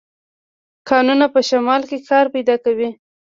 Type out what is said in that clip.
کانونه په شمال کې کار پیدا کوي.